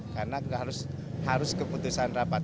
karena harus keputusan rapat